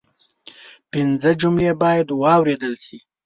پنځه جملې باید واوریدل شي